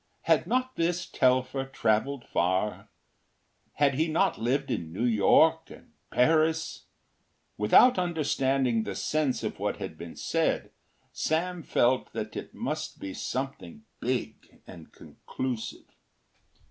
Had not this Telfer travelled far? Had he not lived in New York and Paris? Without understanding the sense of what had been said, Sam felt that it must be something big and conclusive.